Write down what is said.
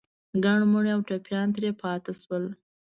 ګڼ مړي او ټپيان ترې پاتې شول.